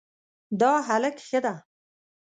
دا هلک ښه ده